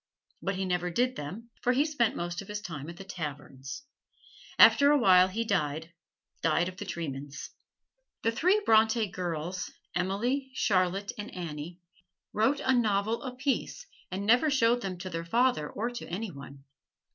But he never did them, for he spent most of his time at the taverns. After a while he died died of the tremens. The three Bronte girls, Emily, Charlotte and Annie, wrote a novel apiece, and never showed them to their father or to any one.